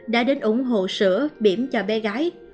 đã đến ủng hộ sữa biểm cho bé gái